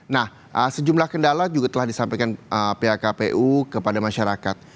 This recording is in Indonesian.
nah sejumlah kendala juga telah disampaikan pihak kpu kepada masyarakat